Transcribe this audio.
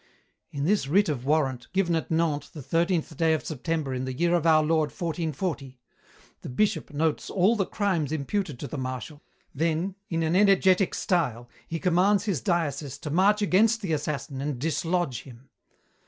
"In this writ of warrant, given at Nantes the 13th day of September in the year of Our Lord 1440, the Bishop notes all the crimes imputed to the Marshal, then, in an energetic style, he commands his diocese to march against the assassin and dislodge him.